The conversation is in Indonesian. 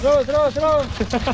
terus terus terus